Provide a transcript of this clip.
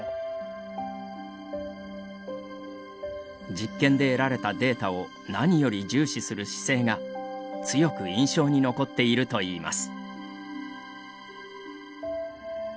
実験で得られたデータを何より重視する姿勢が強く印象に残っているといいます。